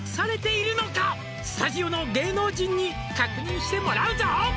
「スタジオの芸能人に確認してもらうぞ」